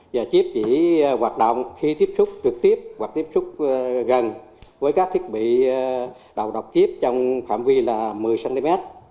và chip chỉ hoạt động khi tiếp xúc trực tiếp hoặc tiếp xúc gần với các thiết bị đầu độc chip trong phạm vi là một mươi cm